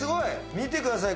見てください